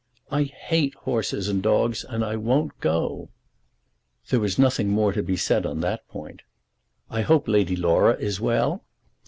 "I hate horses and dogs, and I won't go." There was nothing more to be said on that point. "I hope Lady Laura is well."